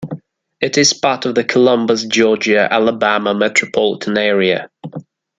It is part of the Columbus, Georgia-Alabama Metropolitan Area.